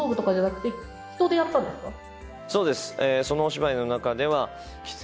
そうです。